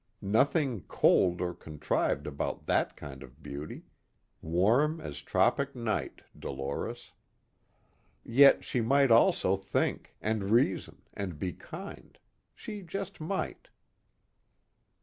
Nothing cold or contrived about that kind of beauty warm as tropic night, Dolores. Yet she might also think, and reason, and be kind she just might.